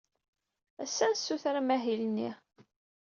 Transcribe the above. Ass-a, ad nessuter amahil-nni.